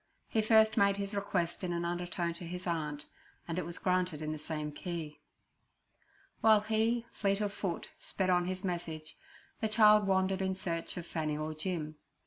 He first made his request in an undertone to his aunt, and it was granted in the same key. While he, fleet of foot, sped on his message, the child wandered in search of Fanny or Jim.